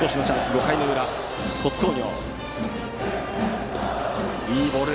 ５回の裏の鳥栖工業。